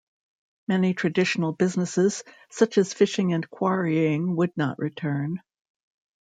Many traditional businesses, such as fishing and quarrying would not return.